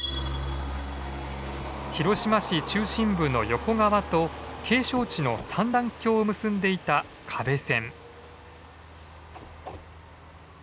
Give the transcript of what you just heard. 広島市中心部の横川と景勝地の三段峡を結んでいた可部線。